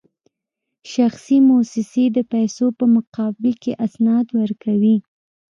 شخصي موسسې د پیسو په مقابل کې اسناد ورکوي